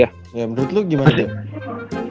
ya menurut lu gimana sih